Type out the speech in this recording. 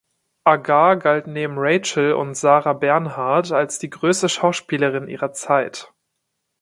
Agar galt neben Rachel und Sarah Bernhardt als die größte Schauspielerin ihrer Zeit.